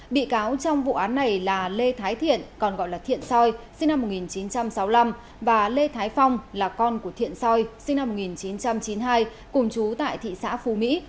bị cáo trong vụ án này là lê thái thiện còn gọi là thiện soi sinh năm một nghìn chín trăm sáu mươi năm và lê thái phong là con của thiện soi sinh năm một nghìn chín trăm chín mươi hai cùng chú tại thị xã phú mỹ